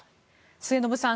末延さん